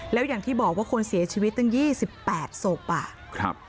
แล้วอย่างที่บอกว่าคนเสียชีวิตตั้ง๒๘ศพอ่ะครับ